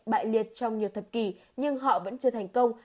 bại liệt trong nhiều thập kỷ nhưng họ vẫn chưa thành công